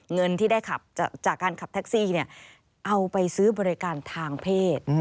เงินที่ได้ขับจากการขับแท็กซี่เอาไปซื้อบริการทางเพศ